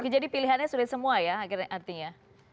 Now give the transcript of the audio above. oke jadi pilihannya sudah semua ya artinya